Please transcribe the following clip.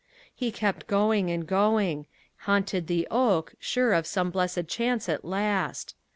He kept going and going haunted the oak, sure of some blessed chance at last.